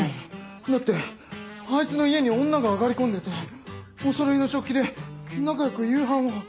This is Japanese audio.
だってあいつの家に女があがり込んでておそろいの食器で仲良く夕飯を。